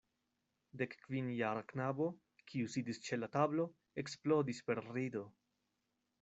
Dekkvinjara knabo, kiu sidis ĉe la tablo, eksplodis per rido.